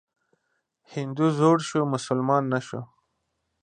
هندو زوړ شو مسلمان نه شو.